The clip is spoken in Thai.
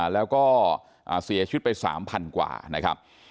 แล้วก็เสียชีวิตไป๓๐๐กว่านะครับ